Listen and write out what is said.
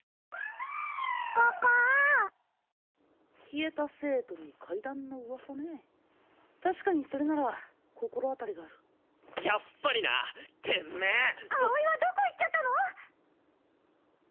消えた生徒に階段のウワサねえ確かにそれなら心当たりがあるやっぱりなテメー葵はどこ行っちゃったの？